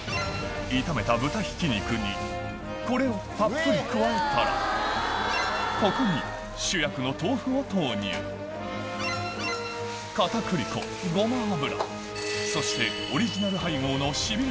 炒めた豚ひき肉にこれをたっぷり加えたらここに主役の豆腐を投入そしてオリジナル配合のしびれ